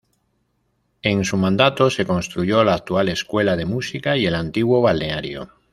En su mandato se construyó la actual Escuela de Música y el antiguo balneario.